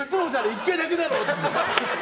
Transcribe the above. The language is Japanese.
１回だけだろって。